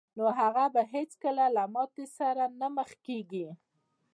نو هغه به هېڅکله له ماتې سره نه مخ کېږي